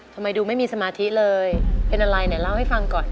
ทำไมดูไม่มีสมาธิเลยเป็นอะไรเนี่ยเล่าให้ฟังก่อน